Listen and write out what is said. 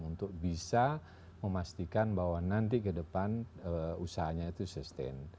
untuk bisa memastikan bahwa nanti ke depan usahanya itu sustain